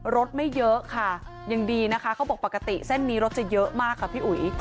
รถไม่เยอะค่ะยังดีนะคะเขาบอกปกติเส้นนี้รถจะเยอะมากค่ะพี่อุ๋ย